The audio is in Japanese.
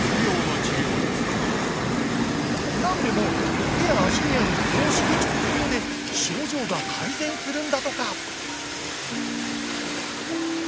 何でも手や足にあるツボを刺激することで症状が改善するんだとか。